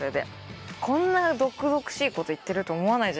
こんな毒々しいこと言ってると思わないじゃないですか。